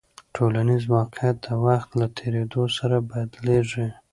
ټولنیز واقیعت د وخت له تېرېدو سره بدلېږي.